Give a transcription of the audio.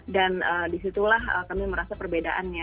dan disitulah kami merasa perbedaannya